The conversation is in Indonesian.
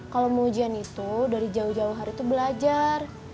kalau mau ujian itu dari jauh jauh hari itu belajar